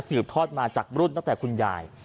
ทอดมาจากรุ่นตั้งแต่คุณยาย